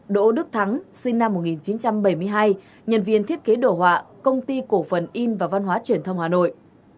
đỗ đức thắng sinh năm một nghìn chín trăm bảy mươi hai nhân viên thiết kế đồ họa công ty cổ phần in và văn hóa truyền thông hà nội